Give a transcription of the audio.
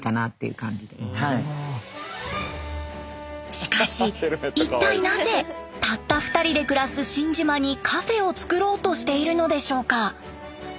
しかし一体なぜたった２人で暮らす新島にカフェを造ろうとしているのでしょうか？